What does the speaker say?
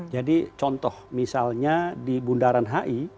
jadi contoh misalnya di bundaran hi